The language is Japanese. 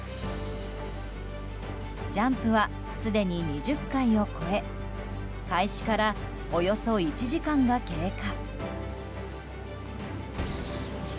ジャンプはすでに２０回を超え開始からおよそ１時間が経過。